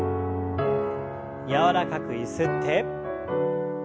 柔らかくゆすって。